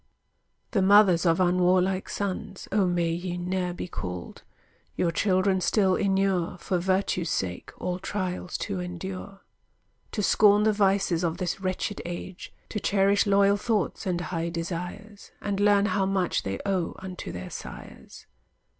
The mothers of unwarlike sons O may ye ne'er be called! Your children still inure For virtue's sake all trials to endure; To scorn the vices of this wretched age; To cherish loyal thoughts, and high desires; And learn how much they owe unto their sires.